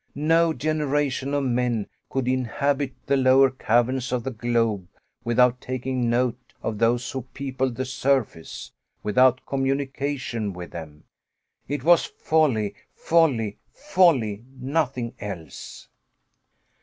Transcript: No generation of men could inhabit the lower caverns of the globe without taking note of those who peopled the surface, without communication with them. It was folly, folly, folly! nothing else!